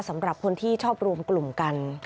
สำหรับคนที่ชอบรวมกลุ่มกัน